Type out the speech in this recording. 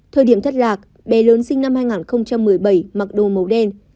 thời điểm thất lạc bé lớn sinh năm hai nghìn một mươi bảy mặc đồ màu đen